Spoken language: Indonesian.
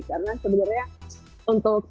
karena sebenarnya untuk